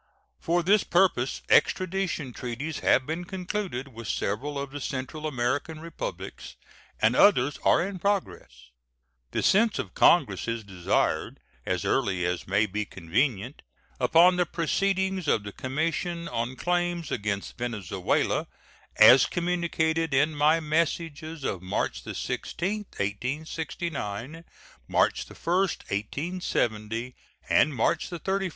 For this purpose extradition treaties have been concluded with several of the Central American Republics, and others are in progress. The sense of Congress is desired, as early as may be convenient, upon the proceedings of the commission on claims against Venezuela, as communicated in my messages of March 16, 1869, March 1, 1870, and March 31, 1870.